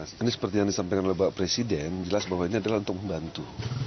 ini seperti yang disampaikan oleh bapak presiden jelas bahwa ini adalah untuk membantu